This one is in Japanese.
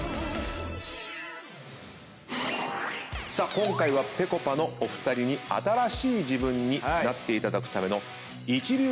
今回はぺこぱのお二人に新しい自分になっていただくための。